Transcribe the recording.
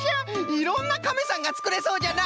いろんなカメさんがつくれそうじゃな。